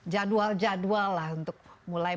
jadwal jadwal lah untuk mulai